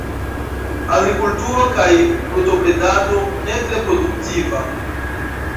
Agrikulturo kaj brutobredado, ne tre produktiva.